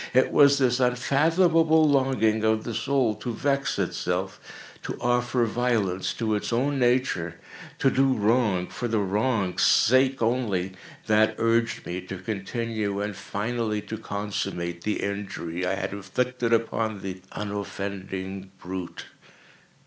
It was this unfathomable longing of the soul to vex itself—to offer violence to its own nature—to do wrong for the wrong's sake only—that urged me to continue and finally to consummate the injury I had inflicted upon the unoffending brute.